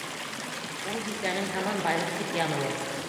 Ул бисәнең һаман байлыҡ тип яныуы.